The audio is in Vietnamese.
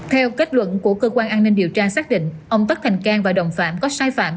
theo kết luận của cơ quan an ninh điều tra xác định ông tất thành cang và đồng phạm có sai phạm